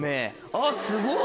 あっすごい。